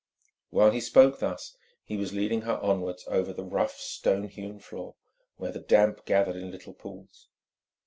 While he spoke thus he was leading her onwards over the rough, stone hewn floor, where the damp gathered in little pools.